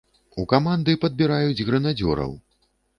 У каманды падбіраюць грэнадзёраў!